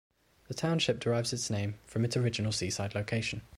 The township derives its name from its original seaside location.